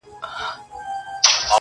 چي ایرې کېمیا کوي هغه اکسیر یم!